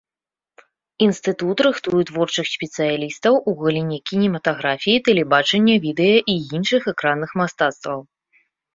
Інстытут рыхтуе творчых спецыялістаў у галіне кінематаграфіі, тэлебачання, відэа і іншых экранных мастацтваў.